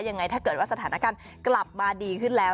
ยังไงถ้าเกิดว่าสถานการณ์กลับมาดีขึ้นแล้ว